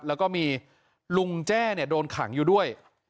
แล้วก็มีลุงแจ้โดนขังอยู่ด้วย